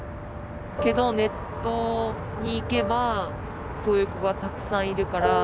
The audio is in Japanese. けどネットに行けばそういう子がたくさんいるから。